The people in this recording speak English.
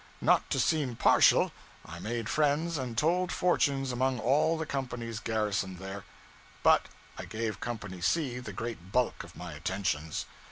Not to seem partial, I made friends and told fortunes among all the companies garrisoned there; but I gave Company C the great bulk of my attentions.